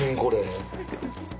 これ。